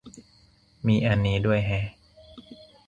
มีอันนี้ด้วยแฮะ